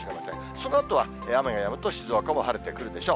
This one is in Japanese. そのあとは雨がやむと静岡も晴れてくるでしょう。